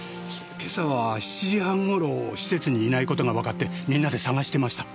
今朝は７時半頃施設にいない事がわかってみんなで捜してました。